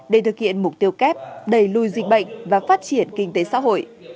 để thực hiện mục tiêu kép đầy lùi dịch bệnh và phát triển kinh tế xã hội